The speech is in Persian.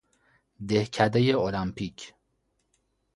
دهکدهٔ المپیک